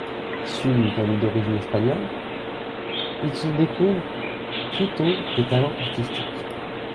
Issu d’une famille d’origine espagnole, il se découvre très tôt des talents artistiques.